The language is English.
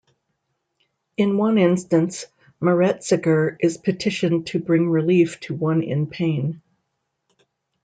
In one instance Meretseger is petitioned to bring relief to one in pain.